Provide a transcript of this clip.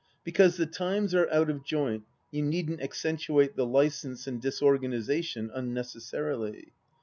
Because the times are out of joint, you needn't accentuate the licence and disorganization unnecessarily.